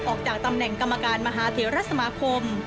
ออกจากตำแหน่งกรรมการมหาเทรสมาคม